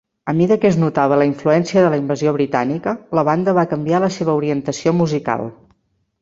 A mida que es notava la influència de la invasió britànica, la banda va canviar la seva orientació musical.